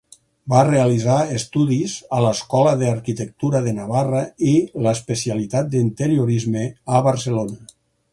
Va realitzar estudis a l'escola d'Arquitectura de Navarra i l'especialitat d'interiorisme a Barcelona.